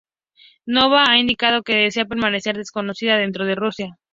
Nova ha indicado que desea permanecer "desconocida" dentro de Rusia.